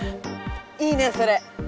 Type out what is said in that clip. いいねえそれ！